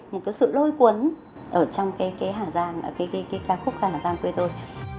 một cái sự lôi cuốn ở trong cái ca khúc hà giang quê tôi